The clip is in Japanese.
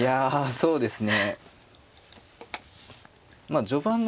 そうですね